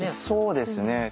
そうですね。